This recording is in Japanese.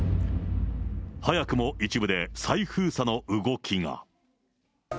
早くも一部で再封鎖の動きが。